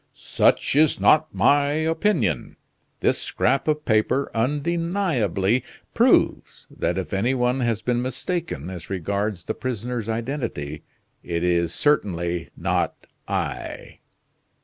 "Such is not my opinion. This scrap of paper undeniably proves that if any one has been mistaken as regards the prisoner's identity, it is certainly not I."